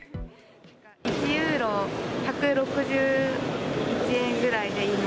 １ユーロ１６１円ぐらいで今。